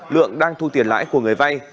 lượng đang thu tiền lãi của người vây